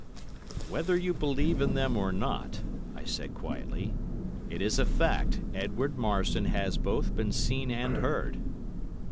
"'Whether you believe in them or not,' I said quietly, 'it is a fact Edward Marsdon has both been seen and heard.